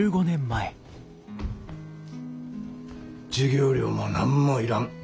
授業料も何も要らん。